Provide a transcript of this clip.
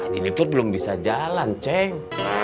diliput belum bisa jalan ceng